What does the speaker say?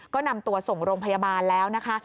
ก็นำตัวส่งโรงพยาบาลแล้วนะคะ